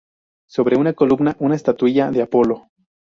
Sobre una columna una estatuilla de Apolo.